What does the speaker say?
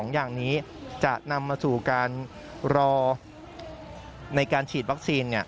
อย่างนี้จะนำมาสู่การรอในการฉีดวัคซีน